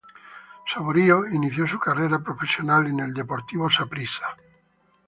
Saborío inició su carrera profesional en el Deportivo Saprissa.